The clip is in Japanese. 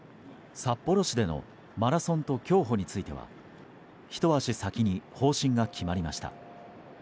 札幌市でのマラソンと競歩についてはひと足先に方針が決まりました。